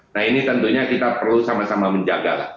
nah ini tentunya kita perlu sama sama menjaga